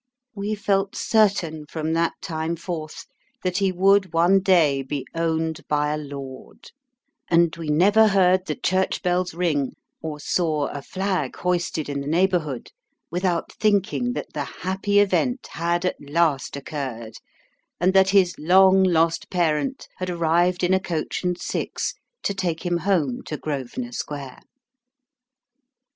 We felt certain, from that time forth, that he would one day be owned by a lord ; and we never heard the church bells ring, or saw a flag hoisted in the neighourhood, without thinking that the happy event had at last occurred, and that his long lost parent had arrived in a coach and six, to take him home to Grosvenor Square.